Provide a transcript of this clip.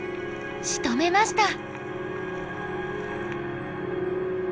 しとめました。